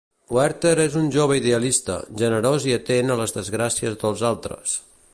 Werther és un jove idealista, generós i atent a les desgràcies dels altres.